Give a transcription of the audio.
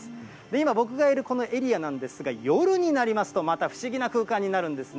今、僕がいるこのエリアなんですが、夜になりますとまた不思議な空間になるんですね。